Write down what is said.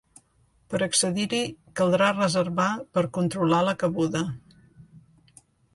Per a accedir-hi, caldrà reservar per a controlar la cabuda.